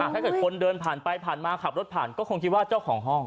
ถ้าเกิดคนเดินผ่านไปผ่านมาขับรถผ่านก็คงคิดว่าเจ้าของห้อง